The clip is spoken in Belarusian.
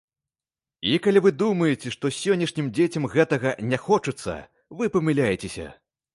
І калі вы думаеце, што сённяшнім дзецям гэтага не хочацца, вы памыляецеся!